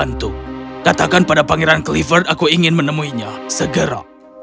bantu katakan pada pangeran clifford aku ingin menemuinya segera